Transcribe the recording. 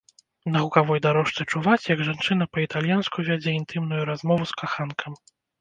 На гукавой дарожцы чуваць, як жанчына па-італьянску вядзе інтымную размову з каханкам.